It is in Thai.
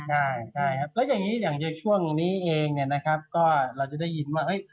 ใช่ครับแล้วอย่างนี้อย่างช่วงนี้เองนะครับก็เราจะได้ยินว่า